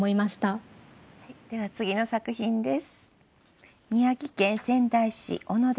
では次の作品です。